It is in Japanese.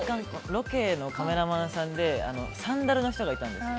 ロケのカメラマンさんでサンダルの人がいたんですよ。